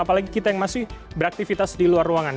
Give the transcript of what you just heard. apalagi kita yang masih beraktivitas di luar ruangan